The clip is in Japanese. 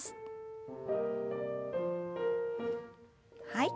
はい。